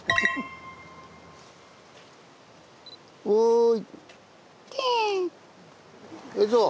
おい。